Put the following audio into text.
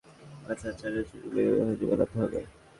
ডিম অর্ধেক সেদ্ধ করে গরম অবস্থায় চটকিয়ে বেগুনের সঙ্গে মেলাতে হবে।